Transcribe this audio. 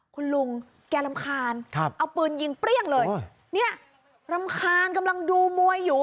คุณลุงแกรำคาญเอาปืนยิงเปรี้ยงเลยเนี่ยรำคาญกำลังดูมวยอยู่